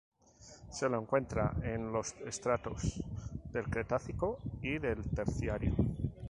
Se lo encuentra en los estratos del cretácico y del terciario.